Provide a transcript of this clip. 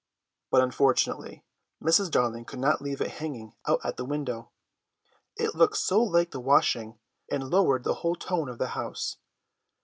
But unfortunately Mrs. Darling could not leave it hanging out at the window, it looked so like the washing and lowered the whole tone of the house.